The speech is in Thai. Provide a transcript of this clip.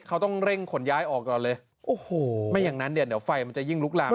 เขาต้องเร่งขนย้ายออกก่อนเลยโอ้โหไม่อย่างนั้นเนี่ยเดี๋ยวไฟมันจะยิ่งลุกลาม